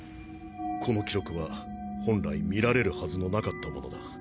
この記録は本来見られるはずのなかったものだ。